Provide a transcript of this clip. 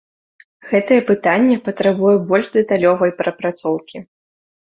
Гэтае пытанне патрабуе больш дэталёвай прапрацоўкі.